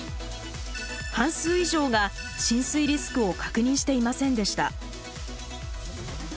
半数以上が浸水リスクを確認していませんでした。